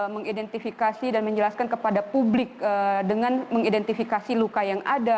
mengidentifikasi dan menjelaskan kepada publik dengan mengidentifikasi luka yang ada